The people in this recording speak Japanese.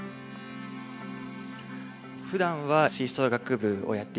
ふだんは吹奏楽部をやっていて。